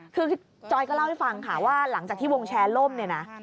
คือจอยก็เล่าให้ฟังค่ะว่าหลังจากที่วงแชร์ล่มเนี่ยนะ